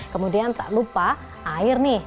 kemudian tak lupa air nih